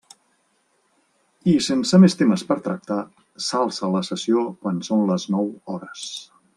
I, sense més temes per tractar, s'alça la sessió quan són les nou hores.